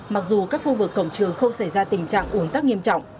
mặc dù các khu vực cổng trường không xảy ra tình trạng ủn tắc nghiêm trọng